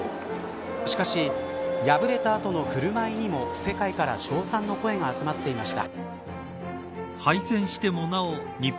しかし敗れた後の振る舞いにも世界から称賛の声が集まっていました。